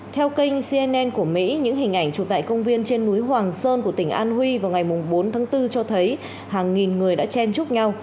theo kênh cnn của mỹ những hình ảnh chụp tại công viên trên núi hoàng sơn của tỉnh an huy vào ngày bốn tháng bốn cho thấy hàng nghìn người đã chen chúc nhau